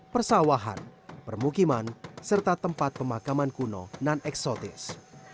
persawahan permukiman serta tempat pemakaman kuno non eksotis